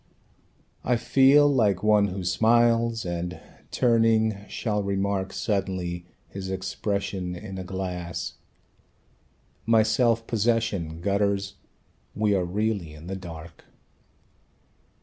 I feel like one who smiles, and turning shall remark Suddenly, his expression in a glass. My self possession gutters; we are really in the dark.